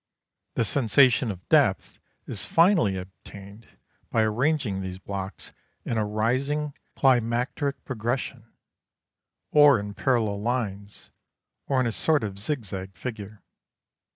The sensation of depth is finally obtained by arranging these blocks in a rising climacteric progression, or in parallel lines, or in a sort of zigzag figure.